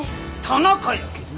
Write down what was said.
田中やけど。